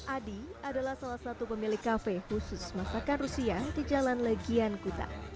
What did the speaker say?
adi adalah salah satu pemilik kafe khusus masakan rusia di jalan legian kuta